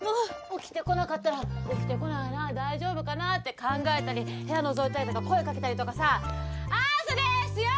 起きてこなかったら起きてこないな大丈夫かなって考えたり部屋のぞいたりとか声かけたりとかさ朝ですよ！